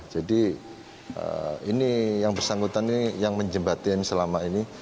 jadi ini yang bersangkutan ini yang menjembatin selama ini